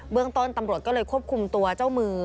เรื่องต้นตำรวจก็เลยควบคุมตัวเจ้ามือ